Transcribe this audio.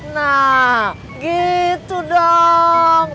nah gitu dong